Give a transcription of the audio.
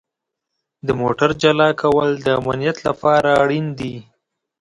د موټر جلا کول د امنیت لپاره اړین دي.